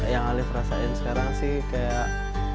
yang alif rasain sekarang sih kayak